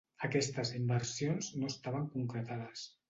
Aquestes inversions no estaven concretades.